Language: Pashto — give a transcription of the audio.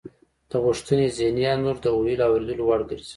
د غوښتنې ذهني انځور د ویلو او اوریدلو وړ ګرځي